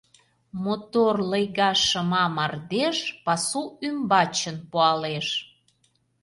Мотор лыйга шыма мардеж Пасу ӱмбачын пуалеш.